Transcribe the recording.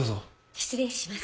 失礼します。